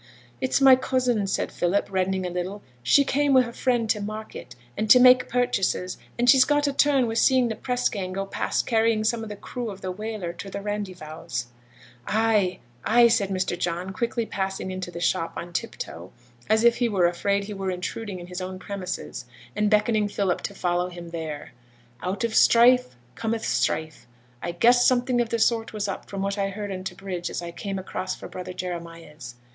'It's my cousin,' said Philip, reddening a little; 'she came wi' her friend in to market, and to make purchases; and she's got a turn wi' seeing the press gang go past carrying some of the crew of the whaler to the Randyvowse. 'Ay, ay,' said Mr. John, quickly passing on into the shop on tip toe, as if he were afraid he were intruding in his own premises, and beckoning Philip to follow him there. 'Out of strife cometh strife. I guessed something of the sort was up from what I heard on t' bridge as I came across fra' brother Jeremiah's.'